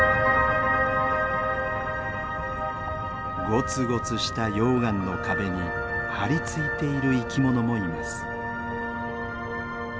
ごつごつした溶岩の壁に張り付いている生きものもいます。